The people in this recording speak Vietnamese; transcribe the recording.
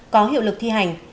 có hiệu lực thi hành